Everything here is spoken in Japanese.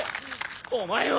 お前は！